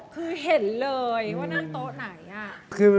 คือเห็นเลยว่านั่งโต๊ะไหน